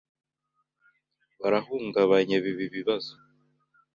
barahungabanye biba ibibazo